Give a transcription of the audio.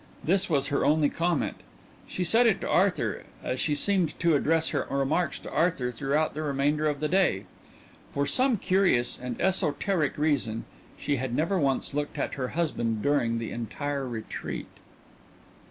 This was her only comment. She said it to Arthur, as she seemed to address her remarks to Arthur throughout the remainder of the day. For some curious and esoteric reason she had never once looked at her husband during the entire retreat.